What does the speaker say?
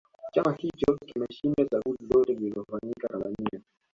chama hicho kimeshinda chaguzi zote zilizofanyika tanzania